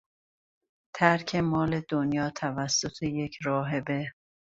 ترک مال دنیا توسط یک راهبه